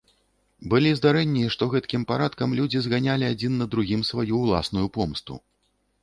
Былі здарэнні, што гэткім парадкам людзі зганялі адзін на другім сваю ўласную помсту.